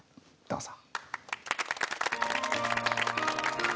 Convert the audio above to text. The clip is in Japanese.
どうぞ。